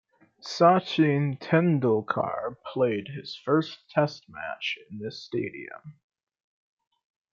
Sachin Tendulkar played his first test match in this stadium.